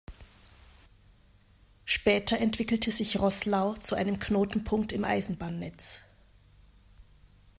Später entwickelte sich Roßlau zu einem Knotenpunkt im Eisenbahnnetz.